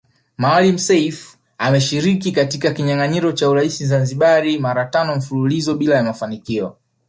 Maalim Self ameshiriki katika kinyanganyiro cha urais Zanzibari mara tano mfululizo bila ya mafanikio